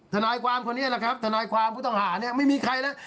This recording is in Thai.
ทนายความคนนี้แหละครับทนายความผู้ต้องหาเนี่ยไม่มีใครแล้ว